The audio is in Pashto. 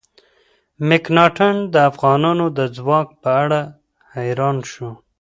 مکناتن د افغانانو د ځواک په اړه حیران شو.